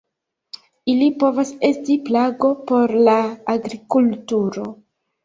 Ili povas esti plago por la agrikulturo.